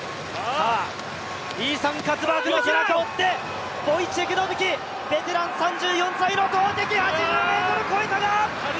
イーサン・カツバーグの背中を追って、ボイチェク・ノビキ、ベテラン３４歳の投てき、８０ｍ越えたか？